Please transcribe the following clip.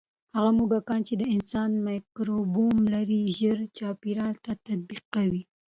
هغه موږکان چې د انسان مایکروبیوم لري، ژر چاپېریال ته تطابق کوي.